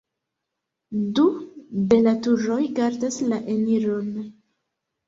Du de la turoj gardas la eniron.